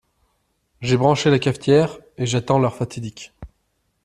J’ai branché la cafetière et j'attends l'heure fatidique.